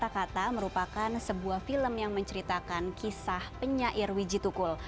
kata kata merupakan sebuah film yang menceritakan kisah penyair wijitukul